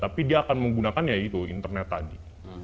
tapi dia akan menggunakannya itu internet tadi